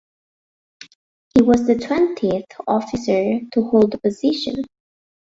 He was the twentieth officer to hold the position.